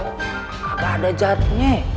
gak ada jahatnya